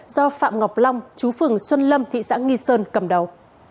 do phạm ngọc long chú phường xuân lâm thị xã nghi sơn cầm đầu